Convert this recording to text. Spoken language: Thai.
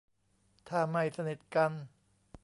ถ้าไม่สนิทกัน